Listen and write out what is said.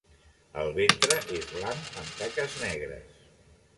El ventre és blanc amb taques negres.